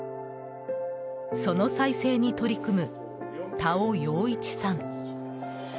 その再生に取り組む田尾陽一さん。